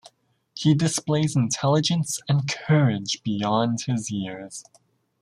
He displays intelligence and courage beyond his years.